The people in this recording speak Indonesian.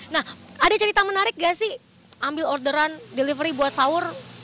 nah ada cerita menarik gak sih ambil orderan delivery buat sahur